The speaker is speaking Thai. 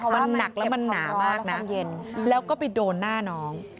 มันหนักแล้วมันหนามากนะแล้วก็ไปโดนหน้าน้อง